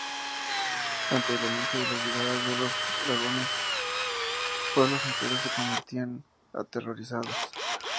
Ante el anuncio de la llegada de los dragones, pueblos enteros se convertían, aterrorizados.